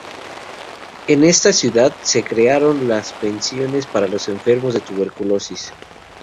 En esta ciudad se crearon las pensiones para los enfermos de tuberculosis.